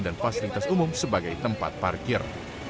dan fasilitas umum sebagai tempat parkir